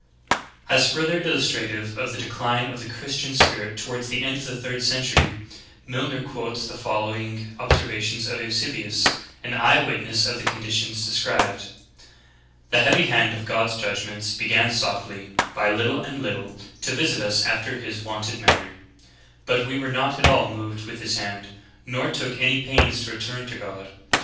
"^ V 12. As further illustrative of the decline of the Christian spirit toward the end of the third century, Milner quotes the following observation of Eusebius, an eye witness of the conditions described : "The heavy hand of God's judg ments began softly, by little and little, to visit us after his wonted manner; \^^i ^^^q were not at all moved with his hand, nor took any pains to return to God.